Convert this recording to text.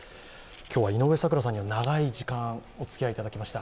今日は井上咲楽さんに長い時間、おつきあいいただきました。